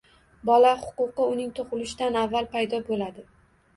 Bola huquqi uning tug‘ilishidan avval paydo bo‘ladi